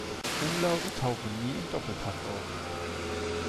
Umlaute tauchen nie im Doppelpack auf.